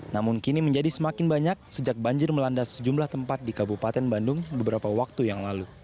namun kini menjadi semakin banyak sejak banjir melanda sejumlah tempat di kabupaten bandung beberapa waktu yang lalu